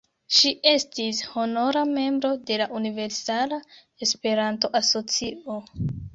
Ŝi estis honora membro de la Universala Esperanto-Asocio.